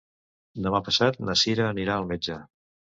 Demà passat na Cira anirà al metge.